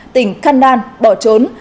tỉnh kandan bỏ trốn